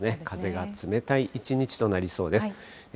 風が冷たい一日となりそうです。